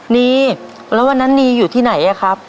นีแล้ววันนั้นนีอยู่ที่ไหนอะครับ